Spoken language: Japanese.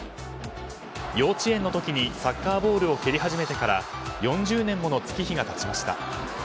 幼稚園の時にサッカーボールを蹴り始めてから４０年もの月日が経ちました。